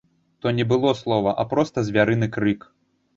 То не было слова, а проста звярыны крык.